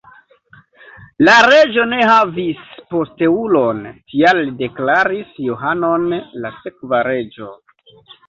La reĝo ne havis posteulon, tial li deklaris Johanon la sekva reĝo.